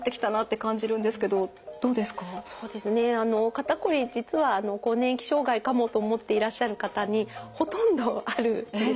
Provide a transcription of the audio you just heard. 肩こり実は更年期障害かもと思っていらっしゃる方にほとんどあるんですよね。